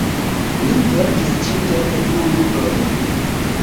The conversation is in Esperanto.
Li verkis ĉi-teme du librojn.